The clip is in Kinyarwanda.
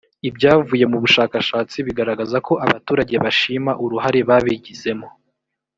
ibyavuye mu bushakashatsi biragaragaza ko abaturage bashima uruhare babigizemo